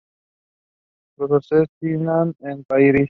Lo asesinan en París.